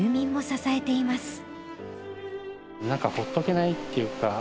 なんかほっとけないというか。